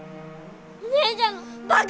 お姉ちゃんのバカ！